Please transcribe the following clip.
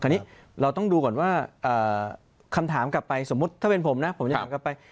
อันนี้เราต้องดูก่อนว่าคำถามกลับไปสมมุติถ้าเป็นผมนะผมจะถามกลับไป